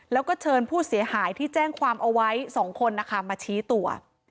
แล้วก็เชิญผู้เสียหายที่แจ้งความเอาไว้๒คนนะคะมาชี้ตัว